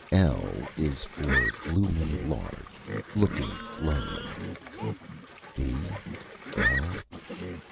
_ L is for looming large, looking lonely. _B? L?